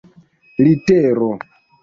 litero